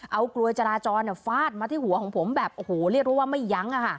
เอากลวยจราจรฟาดมาที่หัวของผมแบบโอ้โหเรียกได้ว่าไม่ยั้ง